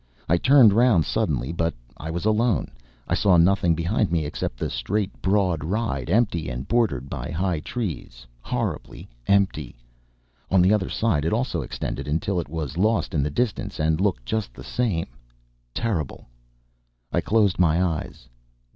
I turned round suddenly, but I was alone. I saw nothing behind me except the straight, broad ride, empty and bordered by high trees, horribly empty; on the other side it also extended until it was lost in the distance, and looked just the same, terrible. I closed my eyes.